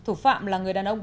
thủ phạm là người thương